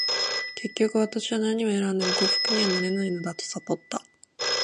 結局、私は何を選んでも幸福にはなれないのだと悟った。